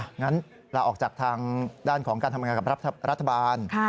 งั้นลาออกจากทางด้านของการทำงานกับรัฐบาล